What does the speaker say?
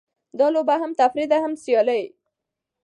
دا لوبه هم تفریح ده؛ هم سیالي.